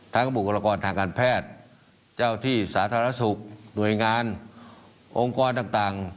บุคลากรทางการแพทย์เจ้าที่สาธารณสุขหน่วยงานองค์กรต่าง